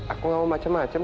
aku gak mau macem macem